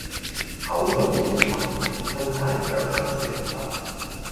口裡說不，身體卻很誠實